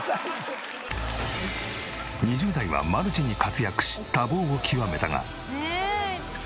２０代はマルチに活躍し多忙を極めたが。